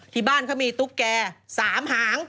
ที่บ้านเขามีตุ๊กแก่๓หาง